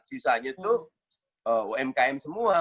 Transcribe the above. sisanya itu umkm semua